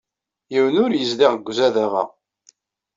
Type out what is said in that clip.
Yiwen ur yezdiɣ deg uzadaɣ-a.